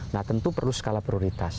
nah tentu perlu skala prioritas